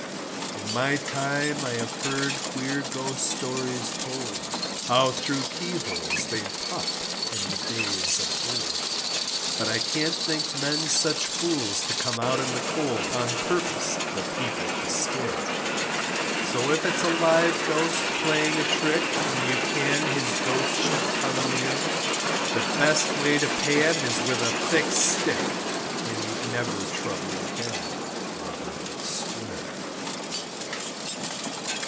In my time I have heard queer ghost stories told, How through keyholes they'd pop in the days of old, But I can't think men such fools to come out in the cold, On purpose the people to scare; So if it's a live ghost playing a trick, And you can his Ghostship come near, The best way to pay him is with a thick stick, And he'd never trouble again Woburn Square.